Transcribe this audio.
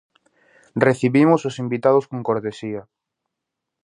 Recibimos os invitados con cortesía.